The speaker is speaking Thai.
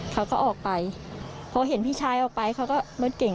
เขาก็ออกไปพอเห็นพี่ชายออกไปเขาก็รถเก่ง